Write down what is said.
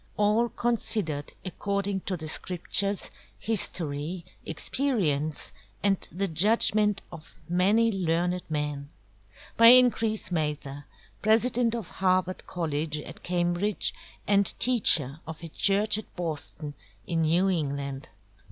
All Considered according to the Scriptures, History, Experience, and the Judgment of many Learned MEN. By Increase Mather, President of Harvard Colledge at Cambridge, and Teacher of a Church at Boston in New England.